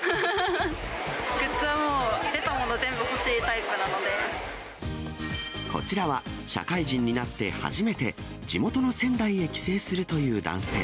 グッズはもう、こちらは、社会人になって初めて、地元の仙台へ帰省するという男性。